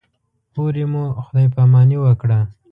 هورې مو خدای پاماني وکړه.